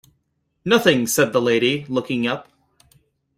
‘Nothing!’ said the lady, looking up.